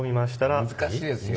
難しいですよ